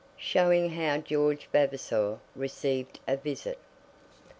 Showing How George Vavasor Received a Visit.